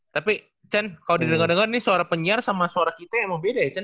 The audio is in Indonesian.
tapi cen kalau didengar dengar nih suara penyiar sama suara kita emang beda ya chan